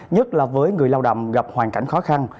nhất là với người lao động gặp hoàn cảnh khó khăn